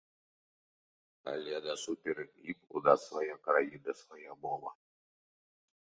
Але насуперак ім у нас свая краіна, свая мова.